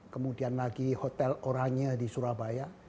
kemudian lagi hotel oranye di surabaya